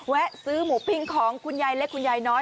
แวะซื้อหมูปิ้งของคุณยายเล็กคุณยายน้อย